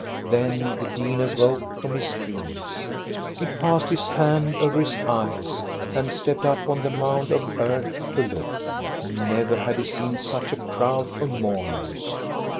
Then the dean awoke from his dreams. He passed his hand over his eyes and stepped up on the mound of earth to look. Never had he seen such a crowd of mourners.